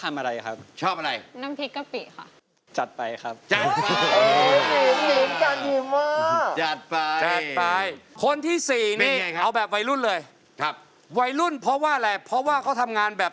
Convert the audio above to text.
เว้าใจเหมือนแบบ